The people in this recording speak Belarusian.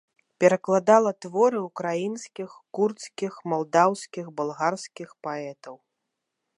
Перакладала творы ўкраінскіх, курдскіх, малдаўскіх, балгарскіх паэтаў.